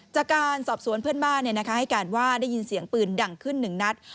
จากการสอบสวนเพื่อนบ้านให้การว่าได้ยินเสียงปืนดังขึ้นหนึ่งนัด